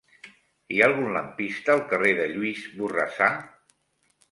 Hi ha algun lampista al carrer de Lluís Borrassà?